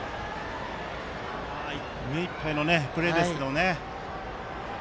目いっぱいのプレーですけどね。